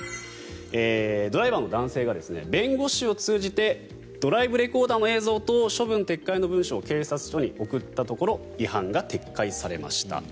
ドライバーの男性が弁護士を通じてドライブレコーダーの映像と処分撤回の文書を警察署に送ったところ違反が撤回されました。